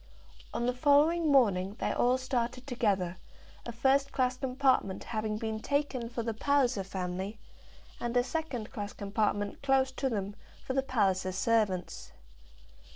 On the following morning they all started together, a first class compartment having been taken for the Palliser family, and a second class compartment close to them for the Palliser servants.